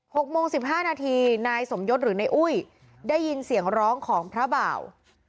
หกโมงสิบห้านาทีนายสมยศหรือนายอุ้ยได้ยินเสียงร้องของพระบ่าว